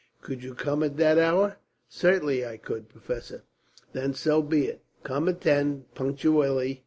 Could you come at that hour?" "Certainly I could, professor." "Then so be it. Come at ten, punctually.